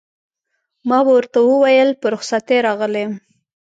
ما ورته وویل: په رخصتۍ راغلی یم.